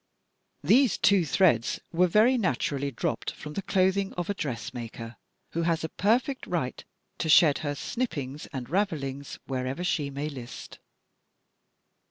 These two threads were very naturally dropped from the clothing of a dressmaker, who has a perfect right to shed her snippings and ravelings wherever she may list.